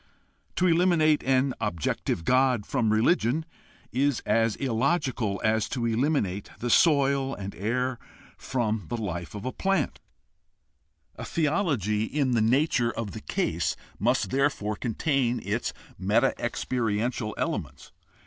To eliminate an objective God from religion is as illogical as to eliminate the soil and air from the life of a plant. A theology in the nature THE HISTORICAL STUDY OF RELIGION 47 of the case must therefore contain its meta experiential ele ments.